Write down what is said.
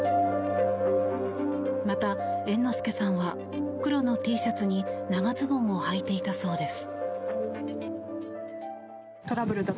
また猿之助さんは黒のＴシャツに長ズボンをはいていたそうです。